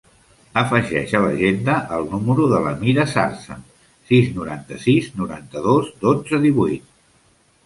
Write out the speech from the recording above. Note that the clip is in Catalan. Afegeix a l'agenda el número de la Mira Zarza: sis, noranta-sis, noranta-dos, dotze, divuit.